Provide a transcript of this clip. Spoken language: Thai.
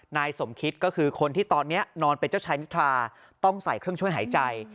นายสมคิดก็คือคนที่ตอนนี้นอนเป็นเจ้าชายนิทราต้องใส่เครื่องช่วยหายใจ